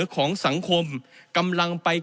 ของสังคมกำลังไป